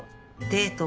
デデート？